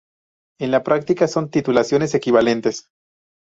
En la práctica, son titulaciones equivalentes.